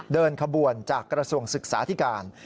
เดินขบวนจากกระทรวงศึกษาธิการ